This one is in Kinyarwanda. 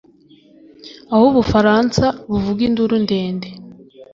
aho ubufaransa, buvuga induru ndende